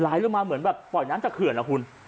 ลงมาเหมือนแบบปล่อยน้ำจากเขื่อนนะคุณ